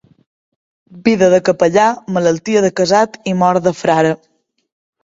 Vida de capellà, malaltia de casat i mort de frare.